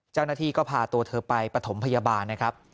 เจ้าหน้าที่ก็พาตัวเธอไปปฐมพยาบาลนะครับ